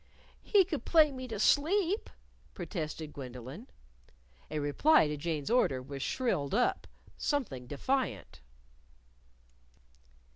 "He could play me to sleep," protested Gwendolyn. A reply to Jane's order was shrilled up something defiant.